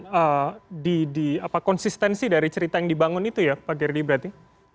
jadi itu adalah konsistensi dari cerita yang dibangun itu ya pak gerdie berarti